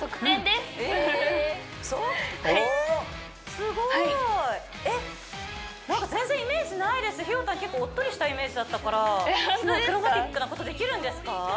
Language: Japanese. すごいえっなんかひよたん結構おっとりしたイメージだったからそんなアクロバティックなことできるんですか？